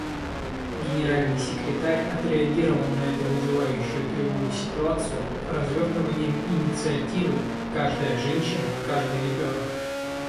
Генеральный секретарь отреагировал на эту вызывающую тревогу ситуацию развертыванием инициативы «Каждая женщина, каждый ребенок».